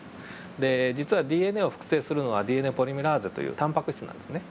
で実はＤＮＡを複製するのはＤＮＡポリメラーゼというタンパク質なんですね。